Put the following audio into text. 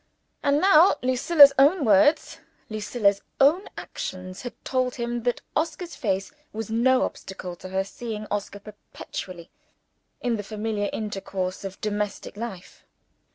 And now Lucilla's own words, Lucilla's own actions, had told him that Oscar's face was no obstacle to her seeing Oscar perpetually in the familiar intercourse of domestic life.